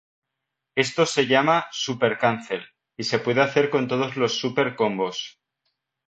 Esto se llama "Super Cancel" y se puede hacer con todos los Super Combos.